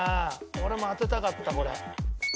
俺も当てたかったこれ。